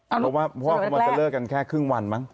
เพราะว่าพ่อกำลังจะเลิกกันแค่ครึ่งวันมั้ง